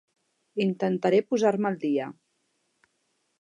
Intentaré posar-me al dia.